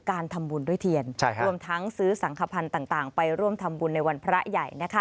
การทำบุญด้วยเทียนรวมทั้งซื้อสังขพันธ์ต่างไปร่วมทำบุญในวันพระใหญ่